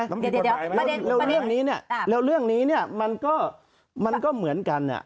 เดี๋ยวเรื่องนี้มันก็เหมือนกัน